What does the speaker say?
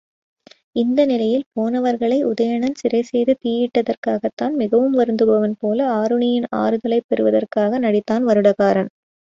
இந்த நிலையில், போனவர்களை உதணயன் சிறை செய்து தீயிட்டதற்காகத்தான் மிகவும் வருந்துபவன்போல ஆருணியின் ஆறுதலைப் பெறுவதற்காக நடித்தான் வருடகாரன்.